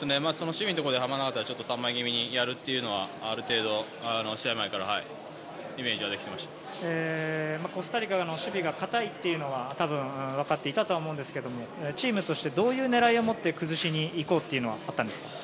守備のところで３枚気味にやるというのはある程度試合前からコスタリカの守備が堅いというのは多分わかっていたとは思うんですがチームとしてどういう狙いをもって崩しに行こうというのはあったんですか？